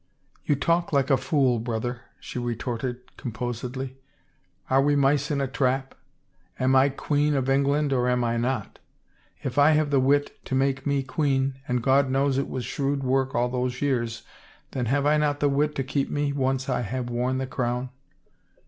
" You talk like a fool, brother," she retorted com posedly. " Are we mice in a trap ? Am I Queen of England or am I not? If I have the wit to make me queen, and God knows it was shrewd work all those years, then have I not the wit to keep me once I have worn the crown?